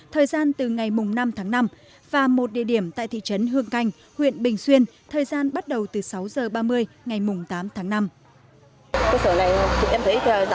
thời gian từ ngày năm tháng năm và một địa điểm tại thị trấn hương canh huyện bình xuyên thời gian bắt đầu từ sáu h ba mươi ngày tám tháng năm